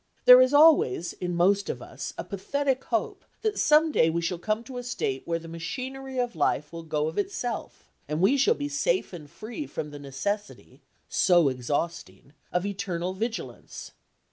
There is always in most of us a pathetic hope that some day we shall come to a state where the machinery of life will go of itself and we shall be safe and free from the necessity—so exhausting—of eternal vigilance.